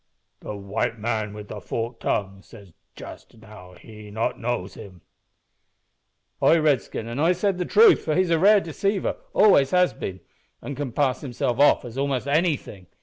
"The white man with the forked tongue say jus' now he not knows him." "Ay, Redskin, an' I said the truth, for he's a rare deceiver always has been an' can pass himself off for a'most anything.